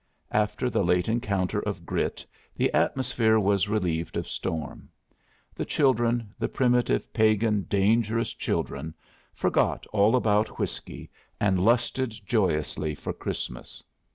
After the late encounter of grit, the atmosphere was relieved of storm. The children, the primitive, pagan, dangerous children, forgot all about whiskey, and lusted joyously for Christmas.